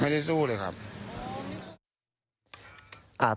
ไม่ได้สู้เลยครับ